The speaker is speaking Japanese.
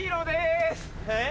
えっ？